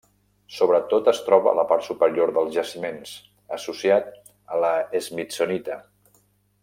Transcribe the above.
Sobretot es troba a la part superior dels jaciments, associat a la smithsonita.